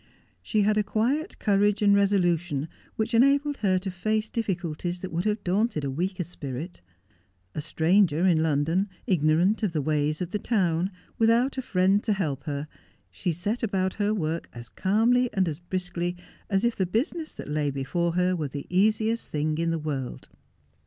She had a quiet courage and resolution which enabled her to face difficulties that would have daunted a weaker spirit. A stranger in London, ignorant of the ways of the town, without a friend to help her, she set about her work as calmly and as briskly as if the business that lay before her were the easiest thing in the world.